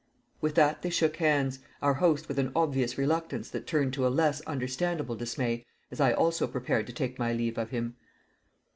With that they shook hands, our host with an obvious reluctance that turned to a less understandable dismay as I also prepared to take my leave of him.